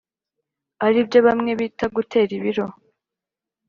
ari byo bamwe bita gutera ibiro.